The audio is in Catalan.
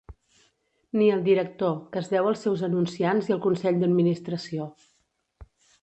Ni el director, que es deu als seus anunciants i al consell d'administració.